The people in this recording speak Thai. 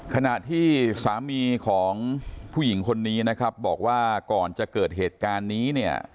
ขณะที่สามีของผู้หญิงคนนี้นะครับบอกว่าก่อนจะเกิดเหตุการณ์นี้เนี่ย